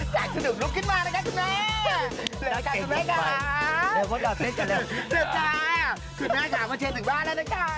จากสนุนลุกขึ้นมานะคะคุณแม่